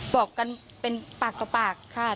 บอกกันเป็นปากต่อปากค่ะ